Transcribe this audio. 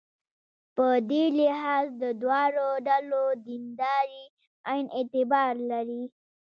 په دې لحاظ د دواړو ډلو دینداري عین اعتبار لري.